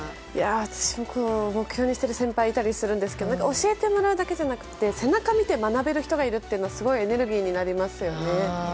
私も目標にしてる先輩がいたりするんですけど教えてもらうだけじゃなくて背中を見て学べる人がいるのはすごいエネルギーになりますね。